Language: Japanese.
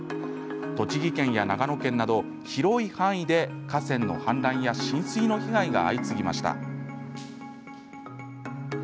栃木県や長野県など、広い範囲で河川の氾濫や浸水の被害が相次ぎました。